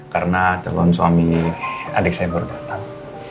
karena celon suami adik saya baru datang